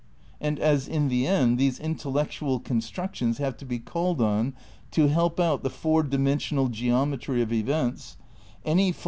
And as in the end these in tellectual constructions have to be called on to help out the four dimensional geometry of events, any philos '■ Enquiry, p.